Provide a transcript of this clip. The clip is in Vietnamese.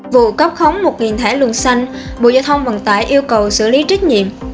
vụ cấp khống một thẻ luôn xanh bộ giao thông vận tải yêu cầu xử lý trách nhiệm